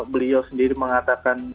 beliau sendiri mengatakan